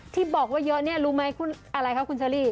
ที่บอกว่าเยอะเนี่ยรู้ไหมคุณอะไรคะคุณเชอรี่